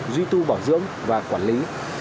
duy tu bảo dưỡng và quản lý